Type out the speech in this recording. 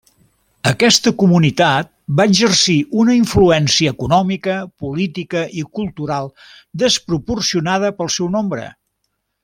Aquesta comunitat va exercir una influència econòmica, política i cultural desproporcionada pel seu nombre.